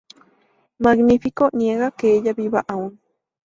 Magnifico niega que ella viva aún.